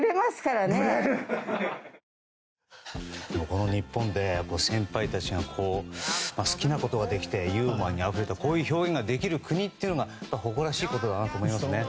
この日本で先輩たちが好きなことができてユーモアにあふれたこういう表現ができる国が誇らしいことだと思いますね。